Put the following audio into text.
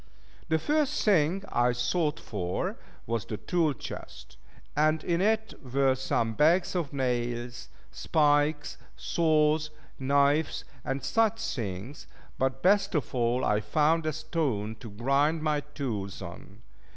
The first thing, I sought for was the tool chest; and in it were some bags of nails, spikes, saws, knives, and such things: but best of all I found a stone to grind my tools on.